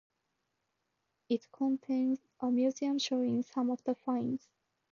It contains a museum showing some of the finds.